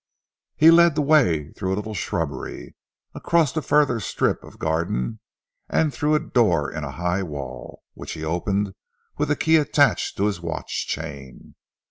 He led the way through a little shrubbery, across a further strip of garden and through a door in a high wall, which he opened with a key attached to his watch chain.